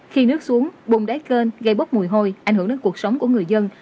khi nước xuống bùng đá kênh gây bốc mùi hôi ảnh hưởng đến cuộc sống của người dân